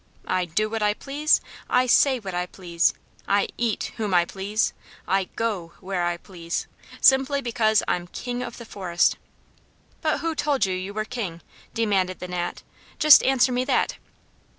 I DO what I please, I SAY what I please, I EAT whom I please, I GO where I please simply because I'm King of the Forest." "But who told you you were King?" demanded the Gnat. "Just answer me that!"